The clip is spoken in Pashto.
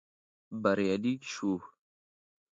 بريالي شوو.